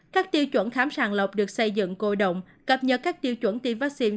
các tiêu chuẩn khám sàng lọc được xây dựng cô động cập nhật các tiêu chuẩn tiêm vaccine